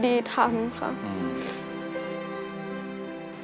หน้าที่ของมุกตอนนี้อย่างแรกเลยคือต้องตั้งใจเรียนอย่างที่สอง